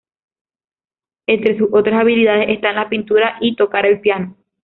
Entre sus otras habilidades están la pintura y tocar el piano.